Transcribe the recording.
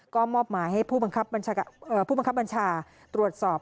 ก็มอบหมายให้ผู้บังคับบัญชาตรวจสอบ